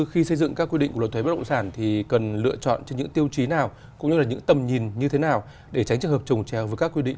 khi xây dựng các quy định của luật thuế bất động sản